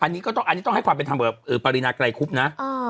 อันนี้ก็ต้องอันนี้ต้องให้ความเป็นธรรมกับปรินาไกรคุบนะ